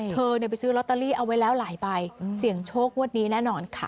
เธอไปซื้อลอตเตอรี่เอาไว้แล้วหลายใบเสี่ยงโชคงวดนี้แน่นอนค่ะ